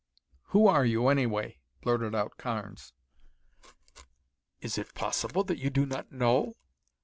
"Who are you, anyway?" blurted out Carnes. "Is it possible that you do not know?